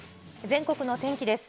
全国の天気です。